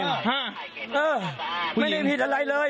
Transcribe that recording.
เออไม่ได้ผิดอะไรเลย